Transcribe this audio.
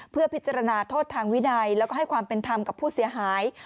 เพื่อพิจารณาโทษทางวินัยแล้วก็ให้ความเป็นธรรมกับผู้เสียหาย